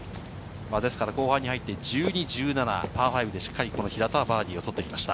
後半に入って１２・１７、パー５でしっかり平田はバーディーを取ってきました。